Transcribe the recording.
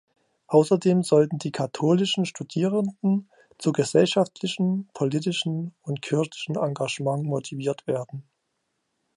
Außerdem sollten die katholischen Studierenden zu gesellschaftlichem, politischen und kirchlichen Engagement motiviert werden.